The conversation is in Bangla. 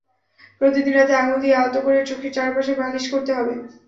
প্রতিদিন রাতে আঙুলে নিয়ে আলতো করে চোখের চারপাশে মালিশ করতে হবে।